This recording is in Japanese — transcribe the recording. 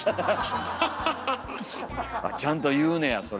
ちゃんと言うねやそれ。